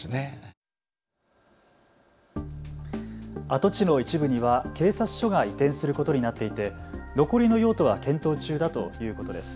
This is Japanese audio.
跡地の一部には警察署が移転することになっていて残りの用途は検討中だということです。